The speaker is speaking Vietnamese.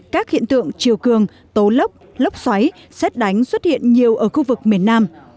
các hiện tượng chiều cường tố lốc lốc xoáy xét đánh xuất hiện nhiều ở khu vực miền nam